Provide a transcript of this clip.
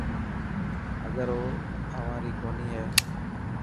اگر او اوهان ري ڪوني هي.